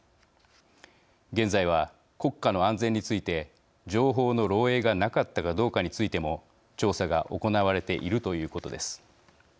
現在は国家の安全について情報の漏えいがなかったかどうかについても調査が行われているということです。